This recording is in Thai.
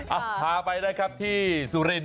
อ่ะพาไปได้ครับที่สุรินทร์